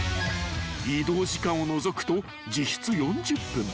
［移動時間を除くと実質４０分］